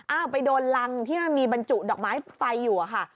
ไปโดนรังที่มันมีบรรจุดอกไม้ไฟอยู่อะค่ะ